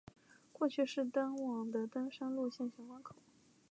过去是往的登山路线玄关口。